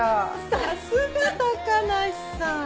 さすが高梨さん！